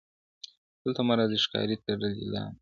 • دلته مه راځۍ ښکاري تړلی لام دی -